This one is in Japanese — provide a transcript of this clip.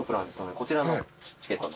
こちらのチケット。